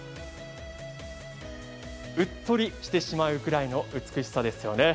うっとりしてしまうぐらいの美しさですよね。